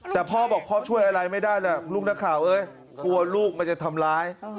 แต่พ่อบอกพ่อช่วยอะไรไม่ได้แหละลูกนักข่าวเอ้ยกลัวลูกมันจะทำร้าย